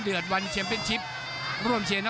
ภูตวรรณสิทธิ์บุญมีน้ำเงิน